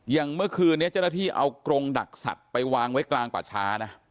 อย่างเมื่อคืนนี้เจ้าหน้าที่เอากรงดักสัตว์ไปวางไว้กลางป่าช้านะ